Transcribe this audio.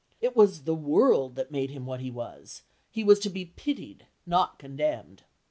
It was "the world" that had made him what he was, he was to be pitied, not condemned.